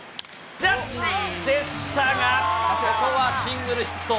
でしたが、ここはシングルヒット。